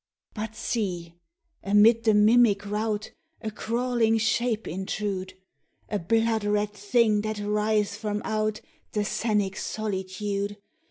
But see, amid the mimic routA crawling shape intrude!A blood red thing that writhes from outThe scenic solitude!